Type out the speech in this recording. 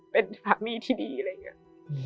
เป็นสามีที่ดีอะไรอย่างนี้